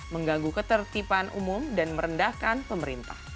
mengganggu ketertiban umum dan merendahkan pemerintah